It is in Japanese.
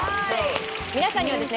皆さんにはですね